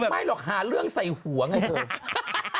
ไม่หรอกหาเรื่องใส่หัวไงเถอะ